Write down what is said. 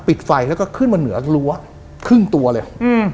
ปิดไฟบนเหลือก็เคลือกครึ่งตัวเลย